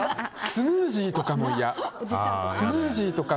スムージーとかも嫌。